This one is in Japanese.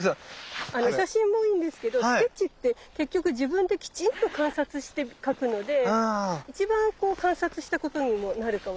写真もいいんですけどスケッチって結局自分できちんと観察して描くので一番観察したことにもなるかもしれない。